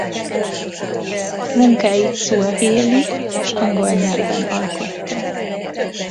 Munkáit szuahéli és angol nyelven alkotta.